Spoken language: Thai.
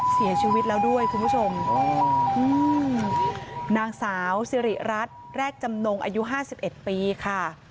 เสียชีวิตแล้วด้วยคุณผู้ชมนางสาวสิริรัตน์แรกจำนงอายุห้าสิบเอ็ดปีค่ะ